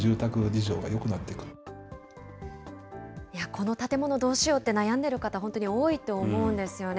この建物、どうしようって悩んでる方、本当に多いと思うんですよね。